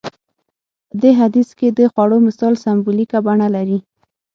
په دې حديث کې د خوړو مثال سمبوليکه بڼه لري.